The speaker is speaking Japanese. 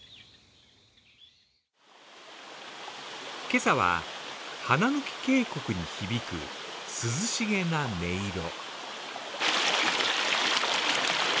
今朝は花貫渓谷に響く涼しげな音色。